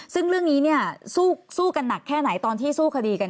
ซึ่งเรื่องนี้เนี่ยสู้กันหนักแค่ไหนตอนที่สู้คดีกัน